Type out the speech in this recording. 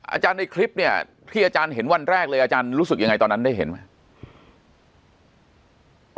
อาจารย์ในคลิปเนี่ยที่อาจารย์เห็นวันแรกเลยอาจารย์รู้สึกยังไงตอนนั้นได้เห็นไหม